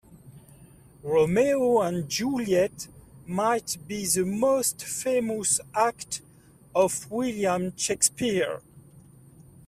Romeo and Juliet might be the most famous act of William Shakespeare.